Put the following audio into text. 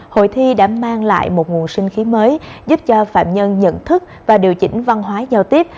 hội thi đã mang lại một nguồn sinh khí mới giúp cho phạm nhân nhận thức và điều chỉnh văn hóa giao tiếp